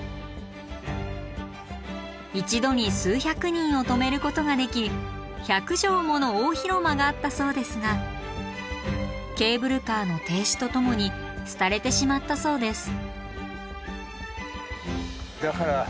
一度に数百人を泊めることができ百畳もの大広間があったそうですがケーブルカーの停止とともに廃れてしまったそうです。